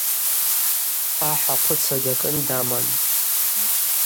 Ахӏ ахъвыцра дакӏын даман.